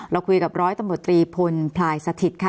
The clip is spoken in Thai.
เราคุยกับร้อยตำรวจตรีพลพลายสถิตค่ะ